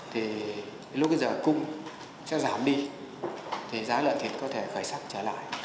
thì lúc giờ cung sẽ giảm đi thì giá lợi thịt có thể khởi sắc trở lại